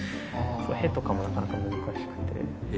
「ヘ」とかもなかなか難しくて。